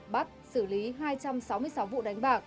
bắt xử lý hai trăm sáu mươi sáu vụ đánh bạc